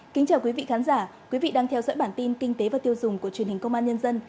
kính chào quý vị khán giả quý vị đang theo dõi bản tin kinh tế và tiêu dùng của truyền hình công an nhân dân